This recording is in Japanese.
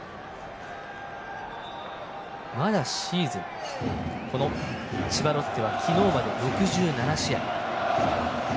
まだ、シーズン千葉ロッテは昨日まで６７試合。